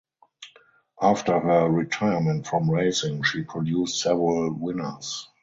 After her retirement from racing she produced several winners.